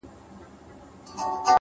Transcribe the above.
د وخت ضایع کول د ژوند ضایع کول دي،